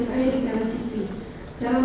saya di televisi dalam